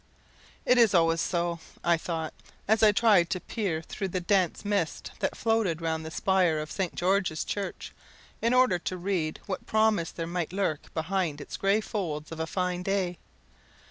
"It is always so," I thought, as I tried to peer through the dense mist that floated round the spire of St. George's church, in order to read what promise there might lurk behind its gray folds of a fine day.